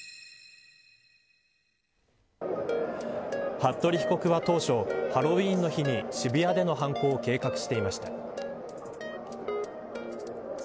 服部被告は当初、ハロウィーンの日に渋谷での犯行を計画していました。